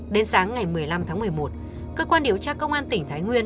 đến sáng ngày một mươi năm tháng một mươi một cơ quan điều tra công an tỉnh thái nguyên